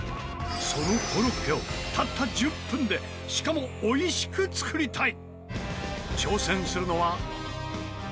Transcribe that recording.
そのコロッケをたった１０分でしかもおいしく作りたい！